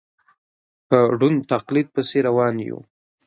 په ړوند تقلید پسې روان یو.